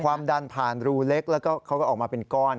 ความดันผ่านรูเล็กแล้วก็เขาก็ออกมาเป็นก้อน